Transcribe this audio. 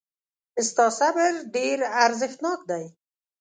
ستا صبر ډېر ارزښتناک دی.